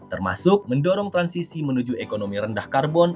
termasuk mendorong transisi menuju ekonomi rendah karbon